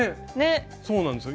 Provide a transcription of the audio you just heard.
そうなんですよ。